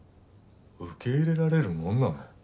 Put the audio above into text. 受け入れられるものなの？